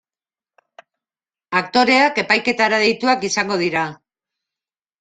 Aktoreak epaiketara deituak izango dira.